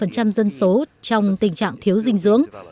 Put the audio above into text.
với một mươi bốn năm dân số trong tình trạng thiếu dinh dưỡng